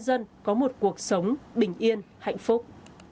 dân có một cuộc sống bình yên hạnh phúc